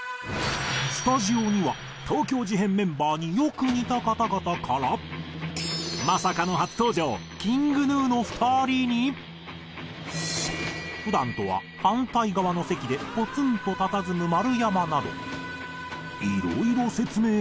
スタジオには東京事変メンバーによく似た方々からまさかの初登場ＫｉｎｇＧｎｕの２人に普段とは反対側の席でポツンとたたずむ丸山など。